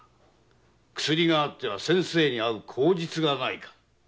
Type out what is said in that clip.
薬があっては先生に会う口実がないか。